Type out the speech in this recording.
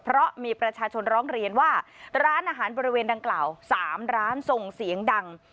เพราะมีประชาชนร้องเรียนว่าร้านอาหารบริเวณดังกล่าว๓ร้านส่งเสียงดัง